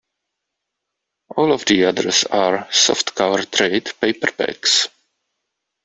All of the others are softcover trade paperbacks.